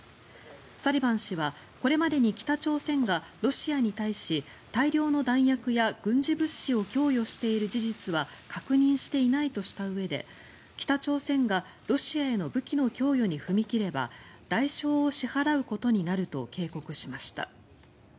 サリバン氏はこれまでに北朝鮮がロシアに対して、大量の弾薬や軍事物資を供与している事実は確認していないとしたうえで北朝鮮がロシアへの武器の供与に踏み切れば代償を支払うことになると警告しました。